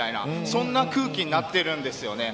そんな空気になってるんですよね。